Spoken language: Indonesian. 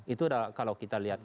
itu kalau kita lihat